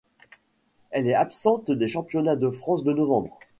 Elle est absente des championnats de France de novembre.